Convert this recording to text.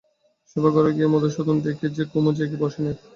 শোবার ঘরে গিয়ে মধুসূদন দেখে যে কুমু জেগে বসে নেই।